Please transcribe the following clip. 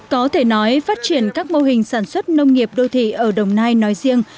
có thể nói phát triển các mô hình sản xuất nông nghiệp đô thị ở đồng nai nói riêng